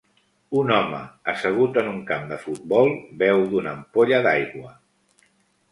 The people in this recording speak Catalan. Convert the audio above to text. Un home assegut en un camp de futbol beu d'una ampolla d'aigua.